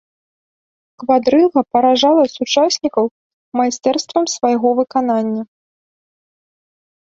Квадрыга паражала сучаснікаў майстэрствам свайго выканання.